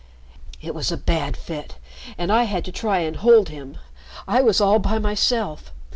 It was a bad fit, and I had to try and hold him. I was all by myself.